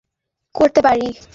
ব্রেয, আমি কিছু করতে পারি?